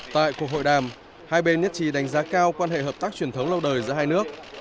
tại cuộc hội đàm hai bên nhất trí đánh giá cao quan hệ hợp tác truyền thống lâu đời giữa hai nước